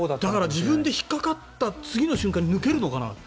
自分で引っかかった次の瞬間に抜けるのかな。